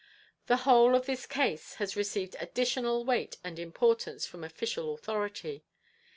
The whole of this case has received additional weight and importance from official authority.